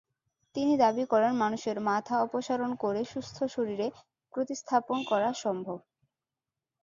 তিনি দাবি করেন, মানুষের মাথা অপসারণ করে সুস্থ শরীরে প্রতিস্থাপন করা সম্ভব।